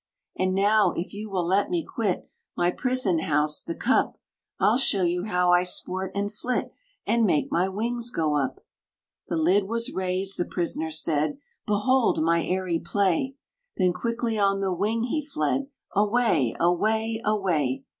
"And now, if you will let me quit My prison house, the cup, I'll show you how I sport and flit, And make my wings go up!" The lid was raised; the prisoner said, "Behold my airy play!" Then quickly on the wing he fled Away, away, away!